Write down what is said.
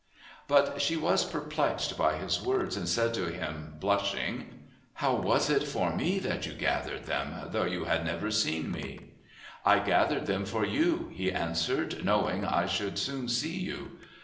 But she was perplexed by his words and said to him, blushing, "How was it for me that you gathered them, though you had never seen me?" "I gathered them for you," he answered, "knowing I should soon see you.